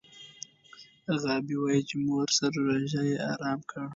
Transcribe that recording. غابي وايي چې مور سره روژه یې ارام کړ.